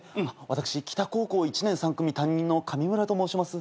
私キタ高校１年３組担任の上村と申します。